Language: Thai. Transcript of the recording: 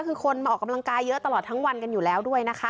คือคนมาออกกำลังกายเยอะตลอดทั้งวันกันอยู่แล้วด้วยนะคะ